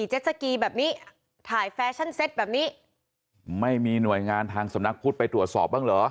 เจ็ดสกีแบบนี้ถ่ายแฟชั่นเซ็ตแบบนี้ไม่มีหน่วยงานทางสำนักพุทธไปตรวจสอบบ้างเหรอ